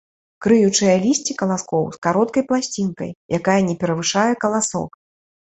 Крыючае лісце каласкоў з кароткай пласцінкай, якая не перавышае каласок.